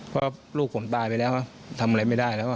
เพราะลูกผมตายไปแล้วทำอะไรไม่ได้แล้ว